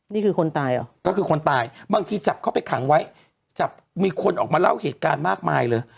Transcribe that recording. นี่คือคนตายเหรอก็คือคนตายบางทีจับเข้าไปขังไว้จับมีคนออกมาเล่าเหตุการณ์มากมายเลย